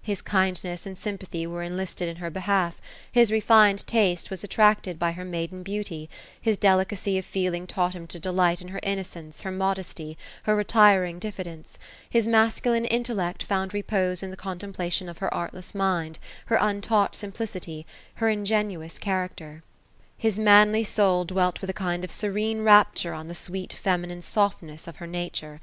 His kindness and sympathy were enlisted in her behalf ; his refined taste was attracted by her maiden beauty ; his delicacy of feeling taught him to delight in her innocence, her modesty, her retiring diffidence ; his masculine intel lect found repose in the contemplation of her artless mind, her untaught simplicity, her ingenuous character ; his manly soul dwelt with a kind 260 OPHELIA ; of serene rapture on the sweet feminine softness of her nature.